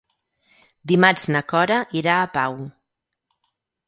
Dimarts na Cora irà a Pau.